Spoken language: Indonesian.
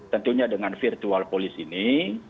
tentunya dengan virtual police ini